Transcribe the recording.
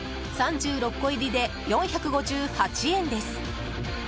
３６個入りで４５８円です。